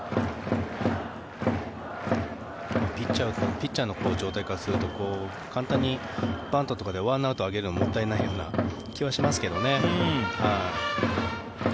ピッチャーの状態からすると簡単にバントとかで１アウトをあげるのももったいない気がしますけどね。